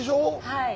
はい。